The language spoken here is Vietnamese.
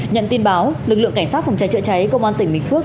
nhận tin báo lực lượng cảnh sát phòng cháy chữa cháy công an tỉnh bình phước